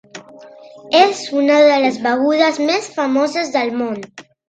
És una de les begudes més famoses del món.